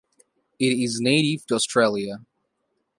It is native to Australia.